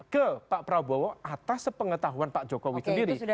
ke pak prabowo atas sepengetahuan pak jokowi sendiri